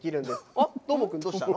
あっ、どーもくん、どうしたの？